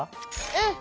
うん！